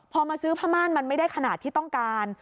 พอมาซื้อผ้าม่านมันไม่ได้ขนาดที่ต้องการ